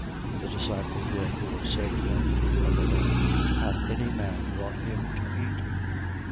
4:33. The disciples therefore said one to another: Hath any man brought him to eat?